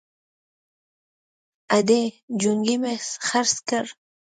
_ادې! جونګی مې خرڅ کړ!